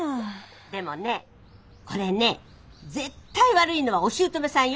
でもねこれね絶対悪いのはお姑さんよ。